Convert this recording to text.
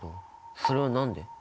それは何で？